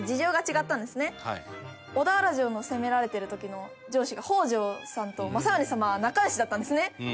小田原城の攻められてる時の城主が北条さんと政宗様は仲良しだったんですね。